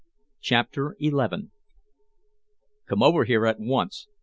CHAPTER XI "Come over here at once."